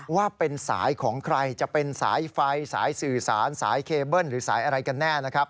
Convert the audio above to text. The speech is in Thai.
ว่าเป็นสายของใครจะเป็นสายไฟสายสื่อสารสายเคเบิ้ลหรือสายอะไรกันแน่นะครับ